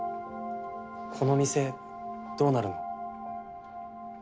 この店どうなるの？